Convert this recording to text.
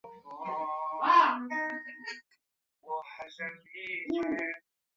蒙古自由联盟党脱离中国独立为主要宗旨的政党。